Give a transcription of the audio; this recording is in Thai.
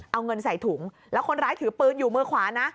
เอาเงินใส่ถุงแล้วคนร้ายถือปืนอยู่มือขวานะ